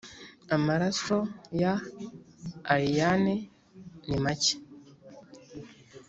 amaraso ya allayne nimacye.